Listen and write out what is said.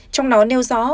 trong đó nêu rõ